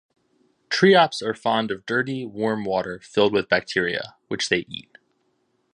Triops are fond of dirty, warm water filled with bacteria, which they eat.